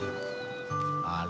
あれ？